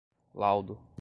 laudo